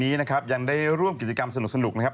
พี่ชอบแซงไหลทางอะเนาะ